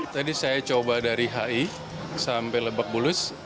tadi saya coba dari hi sampai lebakulus